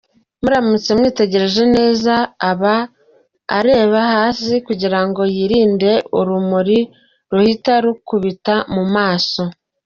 Muramutse mwitegereje neza, aba areba hasi kugira ngo yirinde urumuri ruhita rukubita ku maso.